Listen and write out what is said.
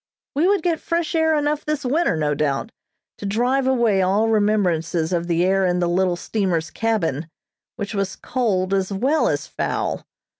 We would get fresh air enough this winter, no doubt, to drive away all remembrances of the air in the little steamer's cabin, which was cold as well as foul.